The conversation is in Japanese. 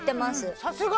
さすが。